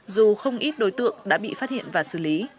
dù không ít đối tượng đã bị phát hiện và xử lý